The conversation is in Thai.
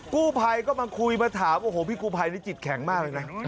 กู้ภัยก็มาคุยมาถามโอ้โหพี่กูภัยนี่จิตแข็งมากเลยนะ